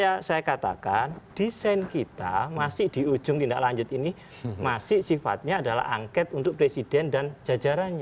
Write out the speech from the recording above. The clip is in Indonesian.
yang saya katakan desain kita masih di ujung tindaklanjut ini masih sifatnya adalah angket untuk presiden dan dpr